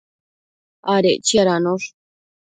adec chiadanosh